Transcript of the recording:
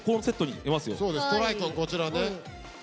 トライくんこちらね。